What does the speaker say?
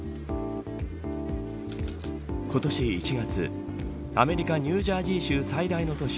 今年１月アメリカ、ニュージャージー州最大の都市